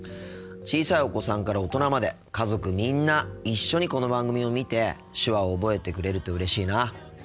小さいお子さんから大人まで家族みんな一緒にこの番組を見て手話を覚えてくれるとうれしいな。